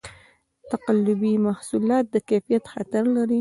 تقلبي محصولات د کیفیت خطر لري.